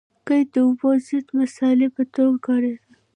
قیر د اوبو ضد مصالحې په توګه کارېده